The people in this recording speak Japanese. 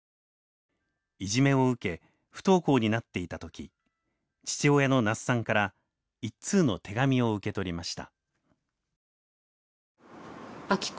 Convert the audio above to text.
いじめを受け不登校になっていた時父親の那須さんから一通の手紙を受け取りました。